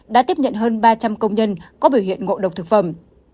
đã tiếp nhận hơn ba trăm linh công nhân có biểu hiện ngộ độc thực phẩm